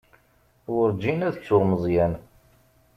Werǧin ad ttuɣ Meẓyan.